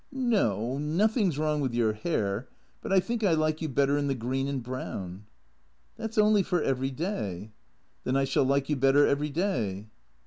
" No, nothing 's wrong with your hair, but I think I like you better in the green and brown "" That 's only for every day." " Then I shall like you better every day."